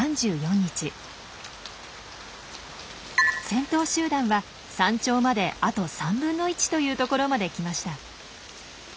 先頭集団は山頂まであと３分の１という所まで来ました。